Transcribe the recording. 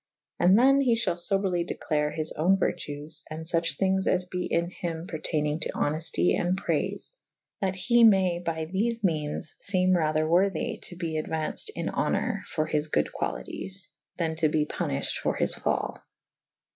And than he fhall foberly declare his owne vertues & fuche thynges as be in hym perteynynge to honefte and prayfe / that he may by thefe meanes feme rather worthy to be auaunced in honour for his good qualities / than to be punifhed for his fall.